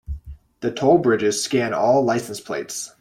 The toll bridges scan all license plates.